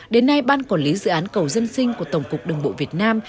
đến nay ban quản lý dự án cầu dân sinh của tổng cục đường bộ việt nam